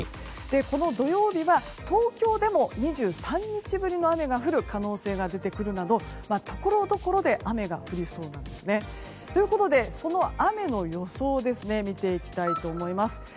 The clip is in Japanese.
この土曜日は、東京でも２３日ぶりの雨が降る可能性が出てくるなどところどころで雨が降りそうなんですね。ということで、その雨の予想を見ていきたいと思います。